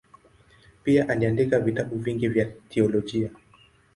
Pia aliandika vitabu vingi vya teolojia.